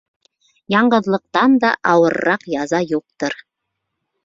Яңғыҙлыҡтан да ауырыраҡ яза юҡтыр.